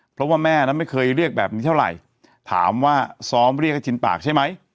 เพราะว่าแม่นั้นไม่เคยเรียกแบบนี้เท่าไหร่ถามว่าซ้อมเรียกให้ชินปากใช่ไหม